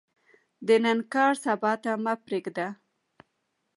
د نن کار، سبا ته مه پریږده.